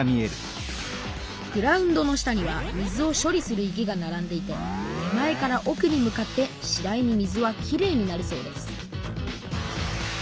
グラウンドの下には水を処理する池がならんでいて手前からおくに向かってしだいに水はきれいになるそうです